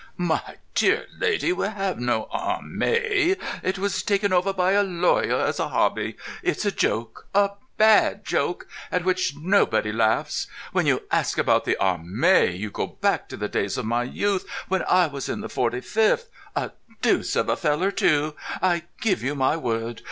My dear lady, we have no Armay! It was taken over by a lawyer as a hobby. It's a joke, a bad joke, at which nobody laughs. When you ask about the Armay you go back to the days of my youth, when I was in the 45th—a deuce of a feller too, I give you my word.